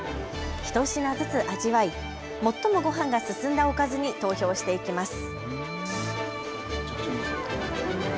ひと品ずつ味わい、最もごはんが進んだおかずに投票していきます。